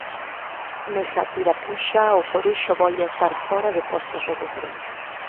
Nesa tirapuxa o Coruxo volve a estar fóra de postos de descenso.